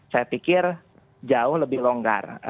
saya pikir jauh lebih longgar